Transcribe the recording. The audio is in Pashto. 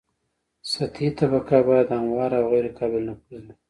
سطحي طبقه باید همواره او غیر قابل نفوذ وي